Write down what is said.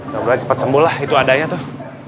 semoga cepat sembuh lah itu adanya tuh